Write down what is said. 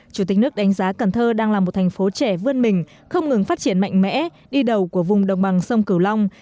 chủ tịch nước đánh giá cần thơ đang là một thành phố trẻ vươn mình không ngừng phát triển mạnh mẽ đi đầu của vùng đồng bằng sông cửu long